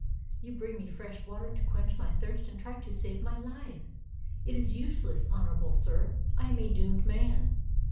You bring me fresh water to quench my thirst, and try to save my Hfe! It is useless, honorable sir, I am a doomed man.